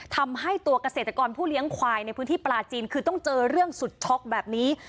ทำให้ตัวเกษตรกรผู้เลี้ยงควายในพื้นที่ปลาจีนคือต้องเจอเรื่องสุดช็อกแบบนี้